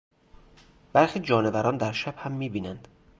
برخی جانوران در شب هم میبینند.